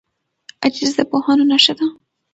عاجزي د پوهانو نښه ده.